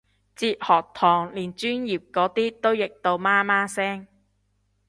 哲學堂連專業嗰啲都譯到媽媽聲